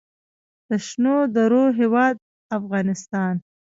د شنو درو هیواد افغانستان.